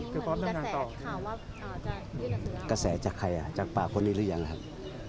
เกษตรกระแสก็ใจจากกระแสอีกแล้วนะคะ